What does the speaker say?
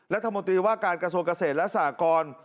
รัฐมนตรีว่าการกระทรวงเกษตรและสหกร